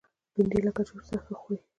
بېنډۍ له کچالو سره ښه خوري